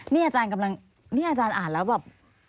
นี่อาจารย์อ่านแล้วแบบ